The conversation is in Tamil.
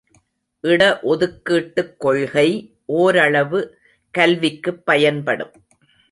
இட ஒதுக்கீட்டுக் கொள்கை ஒரளவு கல்விக்குப் பயன்படும்.